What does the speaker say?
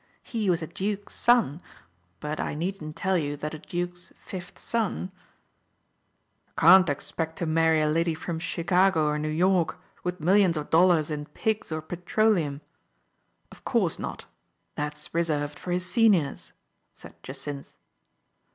He was a duke's son ; but I needn't tell you that a duke's fifth son "" Can't expect to marry a lady from Chicago or New York with millions of dollars in pigs or petroleum. Of course not ! That's reserved for his seniors," said Jacynth.